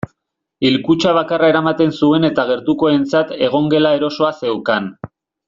Hilkutxa bakarra eramaten zuen eta gertukoentzat egongela erosoa zeukan.